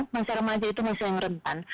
masa remaja itu masa yang rentan